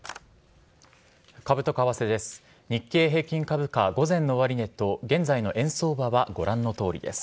株と為替です。